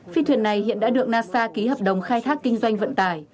phi thuyền này hiện đã được nasa ký hợp đồng khai thác kinh doanh vận tải